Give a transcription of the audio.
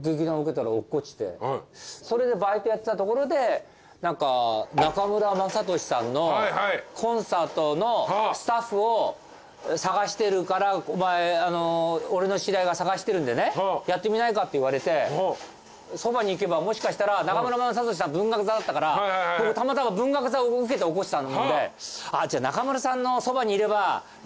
それでバイトやってたところで中村雅俊さんのコンサートのスタッフを探してるから俺の知り合いが探してるんでねやってみないかって言われてそばに行けばもしかしたら中村雅俊さん文学座だったから僕たまたま文学座を受けて落っこちたんでじゃあ。